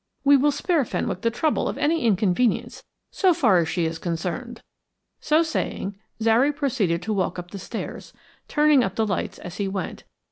We will spare Fenwick the trouble of any inconvenience so far as she is concerned." So saying, Zary proceeded to walk up the stairs, turning up the lights as he went.